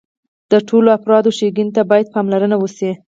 د ټولو افرادو ښېګڼې ته باید پاملرنه وشي.